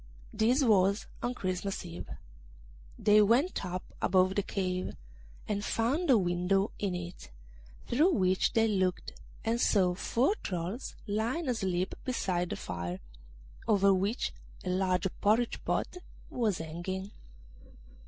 This was on Christmas Eve. They went up above the cave, and found a window in it, through which they looked, and saw four trolls lying asleep beside the fire, over which a large porridge pot was hanging.